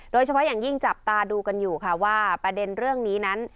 โดยเฉพาะอย่างยิ่งจับตาดูกันอยู่ค่ะว่าประเด็นเรื่องนี้นั้น